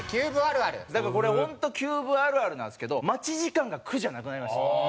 だからこれ本当キューブあるあるなんですけど待ち時間が苦じゃなくなりました。